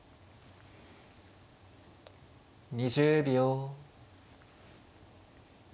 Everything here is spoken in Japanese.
２０秒。